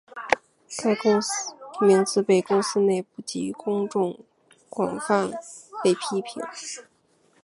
这名字被公司内部及公众广泛被批评。